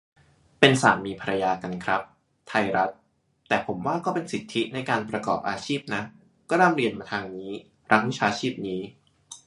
เป็นสามี-ภรรยากันครับ ไทยรัฐ : แต่ผมว่าก็เป็นสิทธิในการประกอบอาชีพนะ ก็ร่ำเรียนมาทางนี้ รักวิชาชีพนี้